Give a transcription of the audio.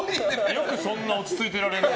よくそんな落ち着いていられるね。